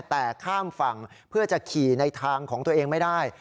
แต่ข้ามฝั่งเพื่อจะขี่ในทางของตัวเองไม่ได้